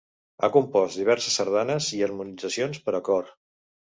Ha compost diverses sardanes i harmonitzacions per a cor.